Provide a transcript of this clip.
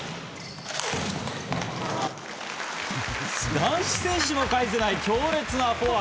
男子選手も返しづらい強力なフォア。